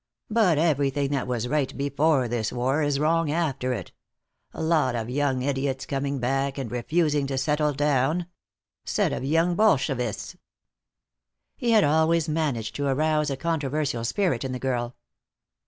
But everything that was right before this war is wrong after it. Lot of young idiots coming back and refusing to settle down. Set of young Bolshevists!" He had always managed to arouse a controversial spirit in the girl.